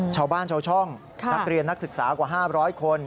ชาวบ้านชาวช่องนักเรียนนักศึกษากว่า๕๐๐คน